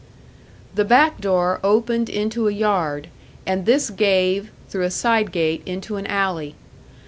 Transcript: The back door opened into a yard, and this gave, through a side gate, into an alley.